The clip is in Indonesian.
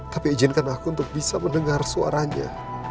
tapi izinkan aku untuk bisa mendengar suaranya